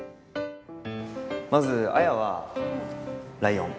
まずあやはライオン。